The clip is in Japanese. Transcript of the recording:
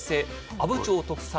阿武町特産